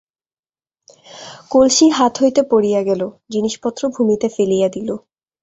কলসী হাত হইতে পড়িয়া গেল, জিনিসপত্র ভূমিতে ফেলিয়া দিল।